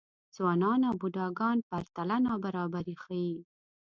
ځوانان او بوډاګان پرتله نابرابري ښيي.